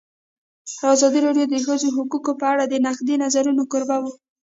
ازادي راډیو د د ښځو حقونه په اړه د نقدي نظرونو کوربه وه.